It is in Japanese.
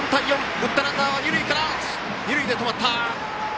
打ったランナーは二塁で止まった。